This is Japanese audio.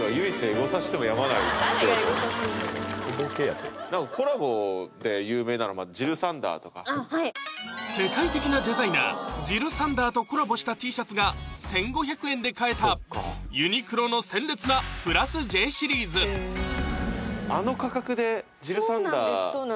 やっぱこれアニメ超好きなんすよ世界的なデザイナージル・サンダーとコラボしたＴシャツが１５００円で買えたユニクロの鮮烈な＋Ｊシリーズあの価格でジル・サンダーそうなんです